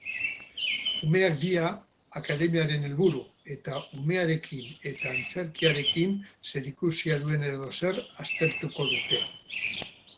Umeak dira akademiaren helburu eta umearekin eta antzerkiarekin zerikusia duen edozer aztertuko dute.